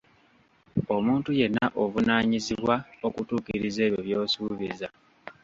Omuntu yenna ovunaanyizibwa okutuukiriza ebyo by'osuubiza.